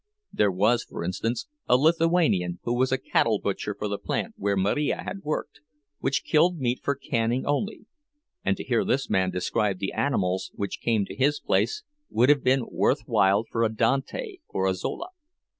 There was, for instance, a Lithuanian who was a cattle butcher for the plant where Marija had worked, which killed meat for canning only; and to hear this man describe the animals which came to his place would have been worthwhile for a Dante or a Zola.